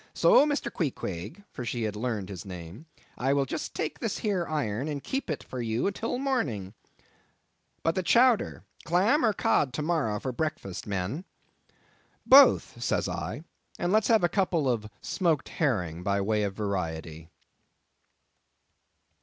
So, Mr. Queequeg" (for she had learned his name), "I will just take this here iron, and keep it for you till morning. But the chowder; clam or cod to morrow for breakfast, men?" "Both," says I; "and let's have a couple of smoked herring by way of variety."